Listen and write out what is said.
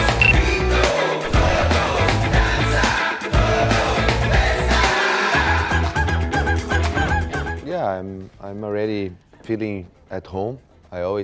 เลยรู้สึกอยู่ในที่มา